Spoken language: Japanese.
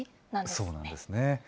そうなんですね。